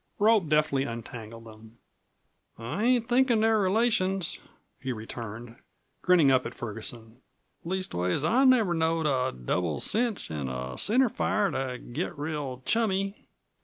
Rope deftly untangled them. "I ain't thinkin' they're relations," he returned, grinning up at Ferguson. "Leastways I never knowed a 'double cinch' an' a 'center fire' to git real chummy."